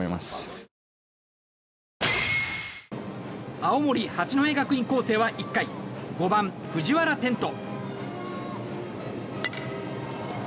青森・八戸学院光星は１回５番、藤原天斗。